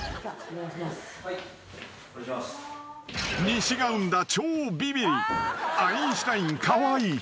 ［西が生んだ超ビビり］